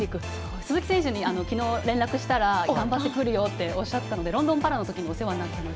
鈴木選手にきのう連絡したら頑張ってくるよっておっしゃってて、ロンドンパラでお世話になったので。